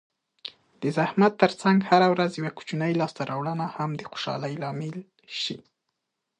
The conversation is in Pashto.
د زحمت ترڅنګ هره ورځ یوه کوچنۍ لاسته راوړنه هم د خوشحالۍ لامل شي.